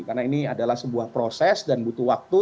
karena ini adalah sebuah proses dan butuh waktu